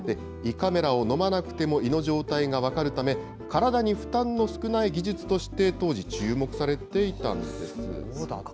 胃カメラを飲まなくても胃の状態が分かるため、体に負担の少ない技術として当時、注目されていたんです。